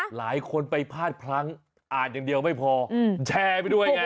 หลายคนไปพลาดพลั้งอ่านอย่างเดียวไม่พอแชร์ไปด้วยไง